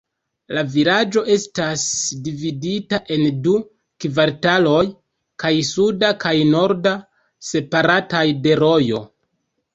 La vilaĝo estas dividata en du kvartaloj, kaj suda kaj norda, separataj de rojo.